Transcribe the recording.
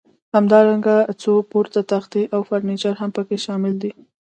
همدارنګه څو پوړه تختې او فرنیچر هم پکې شامل دي.